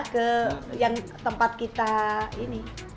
ke yang tempat kita ini